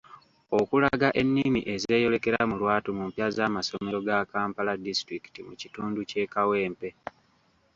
Okulaga ennimi ezeeyolekera mu lwatu mu mpya z'amasomero ga Kampala disitulikiti mu kitundu ky'eKawempe